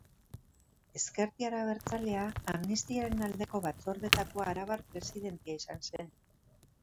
Ezkertiar abertzalea, Amnistiaren Aldeko Batzordeetako arabar presidentea izan zen.